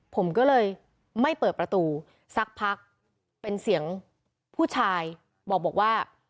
ผมก็เลยไม่เปิดประตูสักพักเป็นเสียงผู้ชายบอกว่า